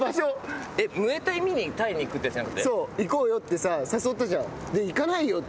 行こうよってさ誘ったじゃん。